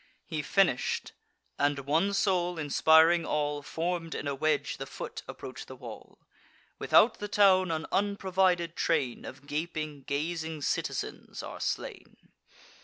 He finish'd; and, one soul inspiring all, Form'd in a wedge, the foot approach the wall. Without the town, an unprovided train Of gaping, gazing citizens are slain.